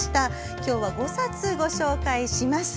今日は５冊ご紹介します。